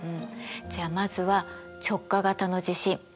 じゃあまずは直下型の地震